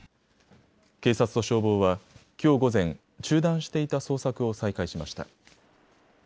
警察と消防は、きょう午前中断していた捜索を再開しました。